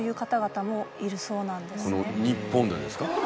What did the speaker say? この日本でですか。